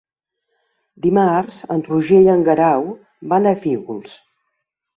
Dimarts en Roger i en Guerau van a Fígols.